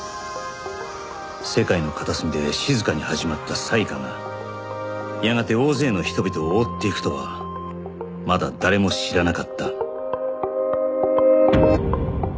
世界の片隅で静かに始まった災禍がやがて大勢の人々を覆っていくとはまだ誰も知らなかった